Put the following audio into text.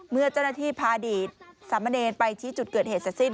เมื่อเจ้าหน้าที่พาอดีตสามเณรไปชี้จุดเกิดเหตุเสร็จสิ้น